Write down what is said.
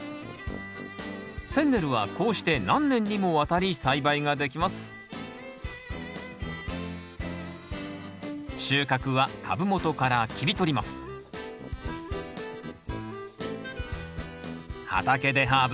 フェンネルはこうして何年にもわたり栽培ができます収穫は畑でハーブ